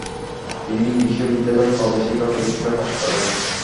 তিনি বিশ্ববিদ্যালয় প্রবেশিকা পরীক্ষা পাস করেন।